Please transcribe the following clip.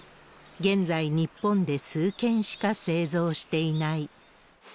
現在、日本で数軒しか製造していない。